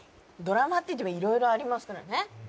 ドラマっていってもいろいろありますからね。